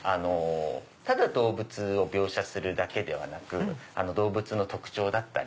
ただ動物を描写するだけでなく動物の特徴だったり。